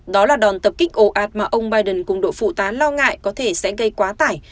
đó là đòn tập kích ồ ạt mà ông biden cùng đội phụ tá lo ngại có thể sẽ gây quá tải